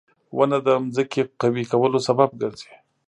• ونه د ځمکې قوي کولو سبب ګرځي.